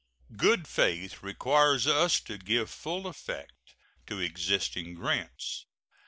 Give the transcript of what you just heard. Good faith requires us to give full effect to existing grants.